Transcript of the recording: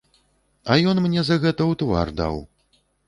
А ён мне за гэта ў твар даў.